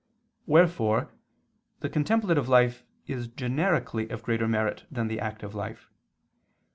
Wherefore the contemplative life is generically of greater merit than the active life.